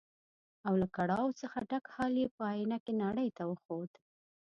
او له کړاو څخه ډک حال یې په ائينه کې نړۍ ته وښود.